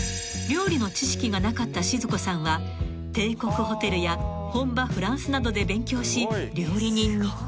［料理の知識がなかった静子さんは帝国ホテルや本場フランスなどで勉強し料理人に］